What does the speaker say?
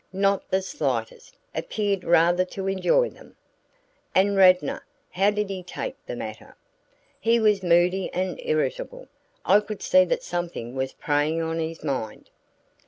"Not the slightest appeared rather to enjoy them." "And Radnor how did he take the matter?" "He was moody and irritable. I could see that something was preying on his mind."